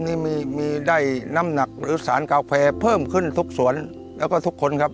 นี่มีมีได้น้ำหนักหรือสารกาแฟเพิ่มขึ้นทุกสวนแล้วก็ทุกคนครับ